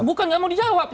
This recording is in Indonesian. bukan nggak mau dijawab